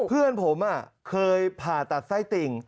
เพื่อนผมเคยผ่าตัดไส้ติ่ง